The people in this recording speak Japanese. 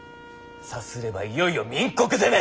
さすればいよいよ明国攻め！